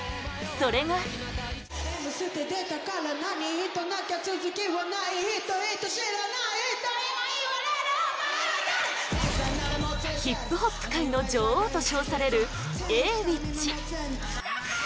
それがヒップホップ界の女王と称される、Ａｗｉｃｈ